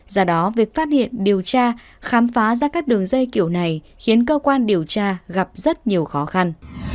do đó việc phát hiện điều tra khám phá ra các đường dây kiểu này khiến cơ quan điều tra gặp rất nhiều khó khăn